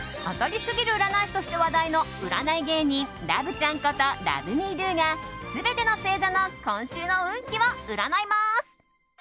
当たりすぎる占い師として話題の占い芸人ラブちゃんことＬｏｖｅＭｅＤｏが全ての星座の今週の運気を占います。